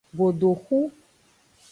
Godoxu.